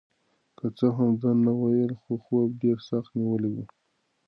که څه هم ده نه وویل خو خوب ډېر سخت نیولی و.